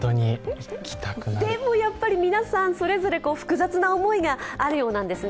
でもやっぱり皆さん、それぞれ複雑な思いがあるようです。